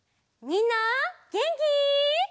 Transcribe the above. みんなげんき？